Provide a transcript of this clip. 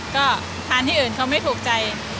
ก็ทานที่อื่นเขาไม่ถูกใจ